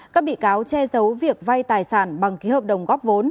các bị cáo che giấu việc vay tài sản bằng ký hợp đồng góp vốn